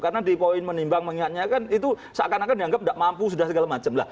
karena di poin menimbang mengingatnya kan itu seakan akan dianggap tidak mampu sudah segala macam